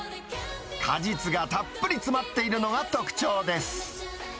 果実がたっぷり詰まっているのが特徴です。